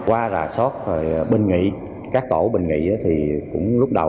qua rà sót bình nghị các tổ bình nghị thì cũng lúc đầu